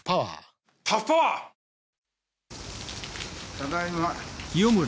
ただいま。